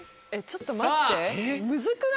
ちょっと待って。